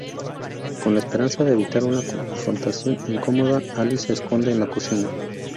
Con la esperanza de evitar una confrontación incómoda Ally se esconde en la cocina.